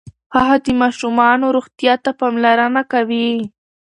هغه د ماشومانو روغتیا ته پاملرنه کوي.